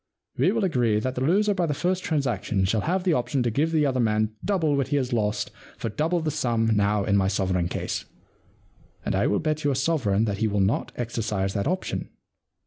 We will agree that the loser by the first transaction shall have the option to give the other man double what 78 The Win and Lose Problem he has lost for double the sum now in my sovereign case. And I will bet you a sovereign that he will not exercise that option.